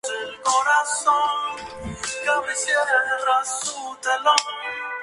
Su presidente es Williams Reyes.